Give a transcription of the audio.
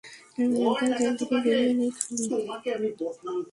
একবার জেল থেকে বেরিয়ে নেই খালি।